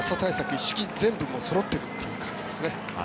一式全部そろっているという感じですね。